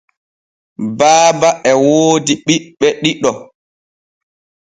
Baaba e woodi ɓiɓɓe ɗiɗo.